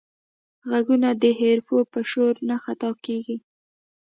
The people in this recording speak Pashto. غوږونه د حرفو په شور نه خطا کېږي